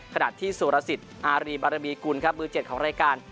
เศรษฐรสิทธิ์อาริบารมีกุลครับมือเจ็ดของรายการ